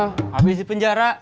habis di penjara